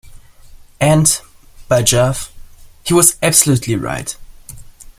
And, by Jove, he was absolutely right.